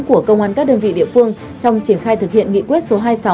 của công an các đơn vị địa phương trong triển khai thực hiện nghị quyết số hai mươi sáu